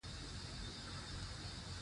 شوله! سپين سپيره شې.